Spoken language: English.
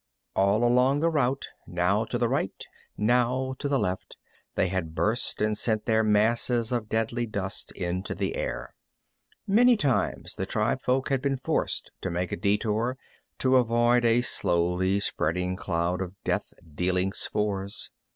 All along the route, now to the right, now to the left, they had burst and sent their masses of deadly dust into the air. Many times the tribefolk had been forced to make a detour to avoid a slowly spreading cloud of death dealing spores.